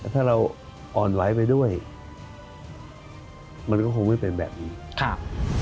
ถ้าเราอ่อนไหวไปด้วยมันก็คงไม่เป็นแบบนี้ครับ